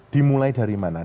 dimulai dari mana